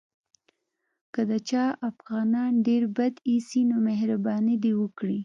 که د چا افغانان ډېر بد ایسي نو مهرباني دې وکړي.